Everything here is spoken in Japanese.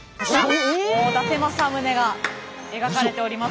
伊達政宗が描かれております。